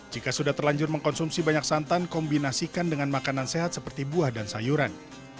jika sudah terlanjur mengkonsumsi banyak santan kombinasikan dengan makanan sehat seperti buah dan sayuran